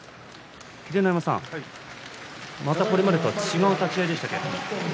秀ノ山さん、またこれまでとは違う立ち合いでしたけれど。